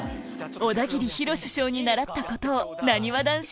小田切ヒロ師匠に習ったことを「なにわ男子」